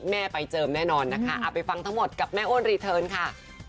แม่ไปเจิมแน่นอนนะคะเอาไปฟังทั้งหมดกับแม่อ้วนรีเทิร์นค่ะ